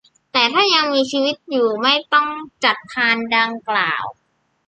แต่ถ้ายังมีชีวิตอยู่ไม่ต้องจัดพานดังกล่าว